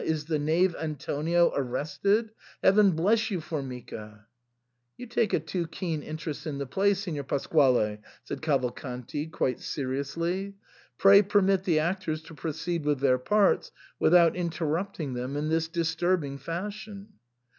Is the knave Antonio arrested ? Heaven bless you, Formica !"" You take a too keen interest in the play, Signor Pasquale," said Cavalcanti, quite seriously. *' Pray permit the actors to proceed with their parts without interrupting them in this disturbing fashion."